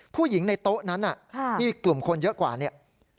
ผู้หญิงในโต๊ะนั้นที่กลุ่มคนเยอะกว่าเนี่ย